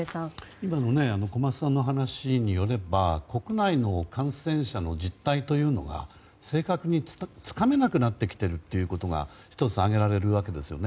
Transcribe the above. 今の小松さんのお話によれば国内の感染者の実態というのが、正確につかめなくなってきているのが１つ、挙げられるわけですよね。